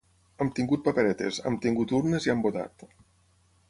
Hem tingut paperetes, hem tingut urnes i hem votat.